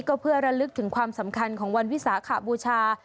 ก็เพื่อระลึกถึงความสำคัญของวันวิสาขบูชา